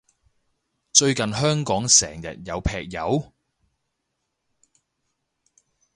最近香港成日有劈友？